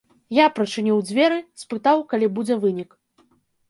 Я прачыніў дзверы, спытаў, калі будзе вынік.